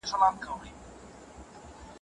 غنم غوندې وطن